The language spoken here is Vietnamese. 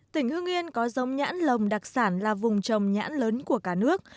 tỉnh hưng yên có giống nhãn lồng đặc sản là vùng trồng nhãn lớn của cả nước